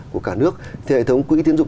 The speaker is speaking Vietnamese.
của cả nước thì hệ thống quỹ tiến dụng